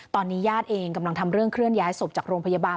ตอนนี้ญาติเองกำลังทำเรื่องเคลื่อย้ายศพจากโรงพยาบาล